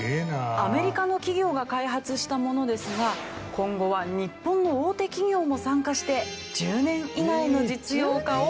アメリカの企業が開発したものですが今後は日本の大手企業も参加して１０年以内の実用化を目指しています。